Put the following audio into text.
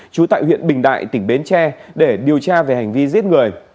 trú tại huyện bình đại tỉnh bến tre để điều tra về hành vi giết người